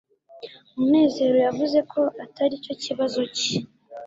munezero yavuze ko atari cyo kibazo cye